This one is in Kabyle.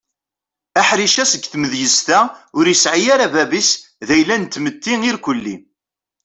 Aḥric seg tmedyaz-a ur yesɛi ara bab-is d ayla n tmetti irkeli.